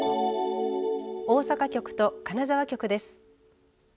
大阪局と金沢局です。